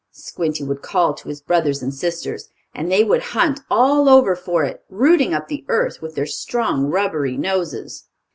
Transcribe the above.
Squinty would call to his brothers and sisters, and they would hunt all over for it, rooting up the earth with their strong, rubbery noses.